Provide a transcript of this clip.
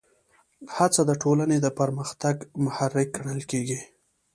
هڅه د ټولنې د پرمختګ محرک ګڼل کېږي.